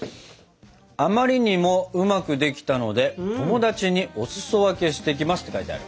「あまりにもうまくできたので友達にお裾分けしてきます」って書いてある。